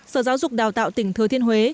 sở giáo dục đào tạo tỉnh thừa thiên huế